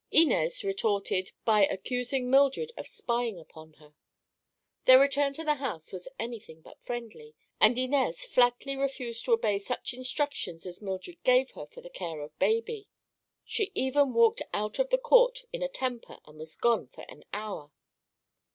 Inez retorted by accusing Mildred of spying upon her. Their return to the house was anything but friendly, and Inez flatly refused to obey such instructions as Mildred gave her for the care of baby. She even walked out of the court in a temper and was gone for an hour.